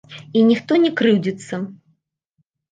І ніхто не крыўдзіцца.